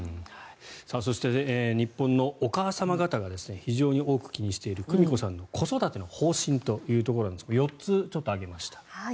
そして、日本のお母様方が非常に多く気にしている久美子さんの子育ての方針ということなんですが４つ挙げました。